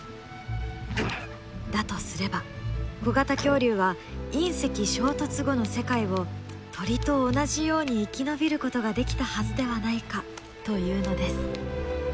だとすれば小型恐竜は隕石衝突後の世界を鳥と同じように生き延びることができたはずではないかというのです。